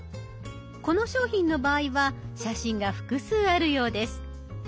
この商品の場合は写真が複数あるようです。